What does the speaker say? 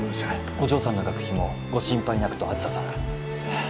お嬢さんの学費もご心配なくと梓さんが